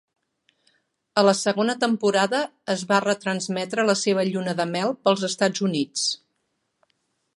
A la segona temporada es va retransmetre la seva lluna de mel pels Estats Units.